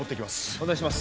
お願いします